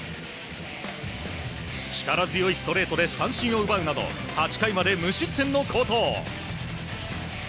力強いストレートで三振を奪うなど８回まで無失点の好投。